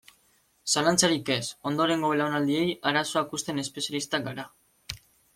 Zalantzarik ez, ondorengo belaunaldiei arazoak uzten espezialistak gara.